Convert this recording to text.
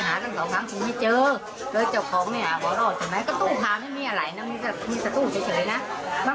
แต่ตำรวจไม่เจอตัวตัวคนที่นั่งค่ะแล้วมาเรียกประตูนเรียกกัน